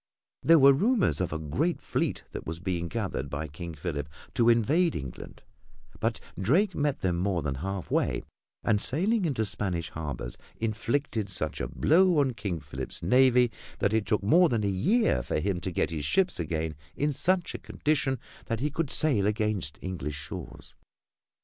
There were rumors of a great fleet that was being gathered by King Philip to invade England, but Drake met them more than half way and sailing into Spanish harbors inflicted such a blow on King Philip's navy that it took more than a year for him to get his ships again in such a condition that he could sail against English shores.